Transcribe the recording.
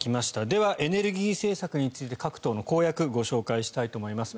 では、エネルギー政策について各党の公約をご紹介します。